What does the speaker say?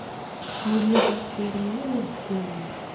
Ur la d-yettarra ara deg usawal.